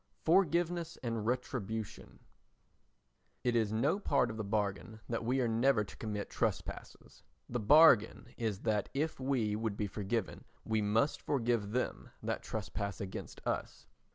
Forgiveness and Retribution It is no part of the bargain that we are never to commit trespasses. The bargain is that if we would be forgiven we must forgive them that trespass against us.